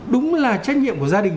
đúng là trách nhiệm của gia đình